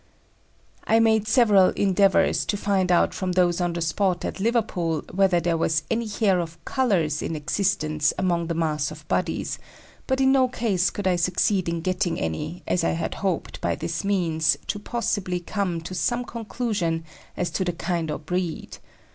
I made several endeavours to find out from those on the spot at Liverpool whether there was any hair of colours in existence among the mass of bodies; but in no case could I succeed in getting any, as I had hoped by this means to possibly come to some conclusion as to the kind or breed.